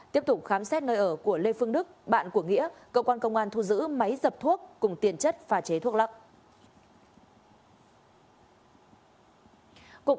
tiếp tục khám xét nơi ở của lê phương đức bạn của nghĩa cơ quan công an thu giữ máy dập thuốc cùng tiền chất pha chế thuốc lắc